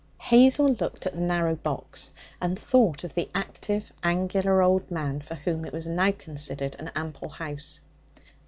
Hazel looked at the narrow box, and thought of the active, angular old man for whom it was now considered an ample house.